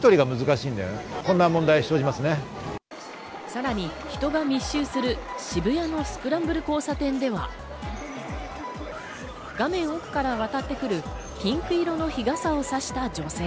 さらに人が密集する渋谷のスクランブル交差点では、画面奥から渡ってくるピンク色の日傘をさした女性。